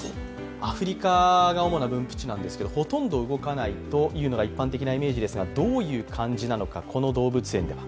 アフリカが主な分布地なんですが、ほとんど動かないというのが一般的なイメージですがどういう感じなのか、この動物園では。